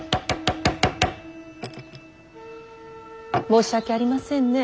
申し訳ありませんね。